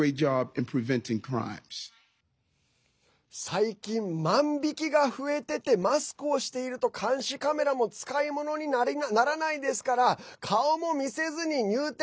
最近、万引きが増えててマスクをしていると監視カメラも使い物にならないですから顔も見せずに入店？